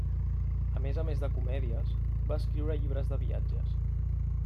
A més a més de comèdies, va escriure llibres de viatges.